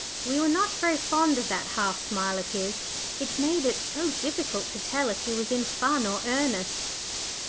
We were not very fond of that half smile of his: it made it so difficult to tell if he was in fun or earnest.